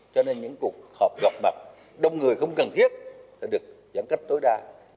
cho nên những cuộc họp gặp mặt đông người không cần thiết đã được giãn cách tối đa